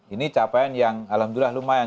ini capaian yang alhamdulillah lumayan